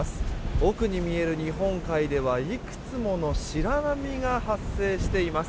奥に見える日本海ではいくつもの白波が発生しています。